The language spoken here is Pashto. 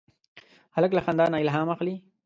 هلک له خندا نه الهام اخلي.